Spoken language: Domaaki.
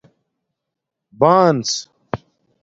بانس